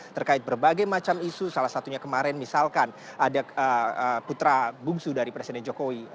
terkait berbagai macam isu salah satunya kemarin misalkan ada putra bungsu dari presiden jokowi